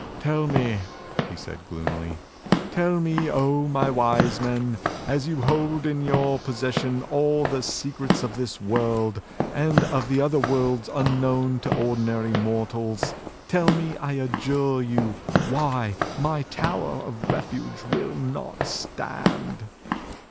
"Tell me," he said gloomily, "tell me, O my Wise Men, as you hold in your possession all the secrets of this world, and of other worlds unknown to ordinary mortals, tell me, I adjure you, why my tower of refuge will not stand."